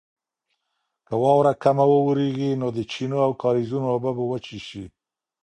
که واوره کمه وورېږي نو د چینو او کاریزونو اوبه به وچې شي.